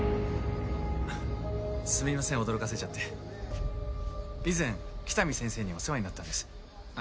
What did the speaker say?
すみません驚かせちゃって以前喜多見先生にお世話になったんですあ